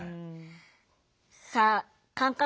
さあ感覚